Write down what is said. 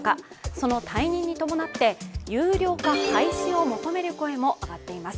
その退任に伴って、有料化廃止を求める声も上がっています。